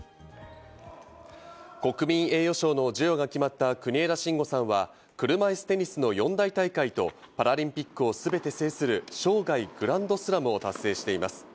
国民栄誉賞の授与が決まった国枝慎吾さんは車いすテニスの四大大会と、パラリンピックをすべて制する生涯グランドスラムを達成しています。